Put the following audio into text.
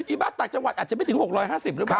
อีบ้าต่างจังหวัดอาจจะไม่ถึง๖๕๐หรือเปล่า